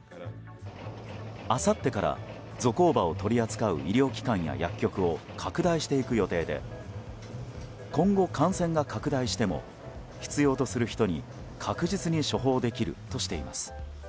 あさってからゾコーバを取り扱う医療機関や薬局を拡大していく予定で今後、感染が拡大しても必要とする人に確実に処方できるとしています。